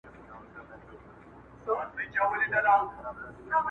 ډیري وژړېدې بوري د زلمیانو پر جنډیو-